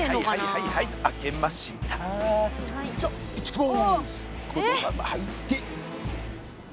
このまま入って。